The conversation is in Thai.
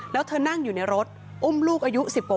แล้วเธอนั่งอยู่ในรถอุ้มลูกอายุ๑๐กว่าวัน